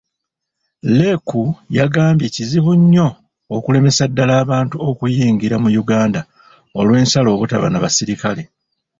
Leku, yagambye kizibu nnyo okulemeseza ddala abantu okuyingira mu Uganda olw'ensalo obutaba na basirikale.